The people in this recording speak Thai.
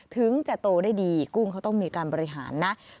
ถึงจะโตได้ดีกุ้งเขาต้องมีการบริหารนะ